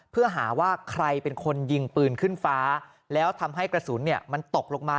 เพื่อหาว่าใครเป็นคนยิงปืนขึ้นฟ้าแล้วทำให้กระสุนมันตกลงมา